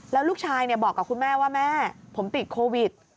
แล้วลูกชายบอกกับคุณแม่ว่าแม่ผมติดโควิด